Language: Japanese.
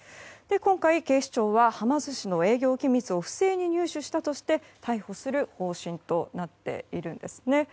今回、警視庁ははま寿司の営業機密を不正に入手したとして逮捕する方針となっているんですね。